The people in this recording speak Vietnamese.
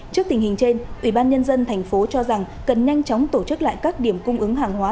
trước tình hình trên ubnd tp hcm cho rằng cần nhanh chóng tổ chức lại các điểm cung ứng hàng hóa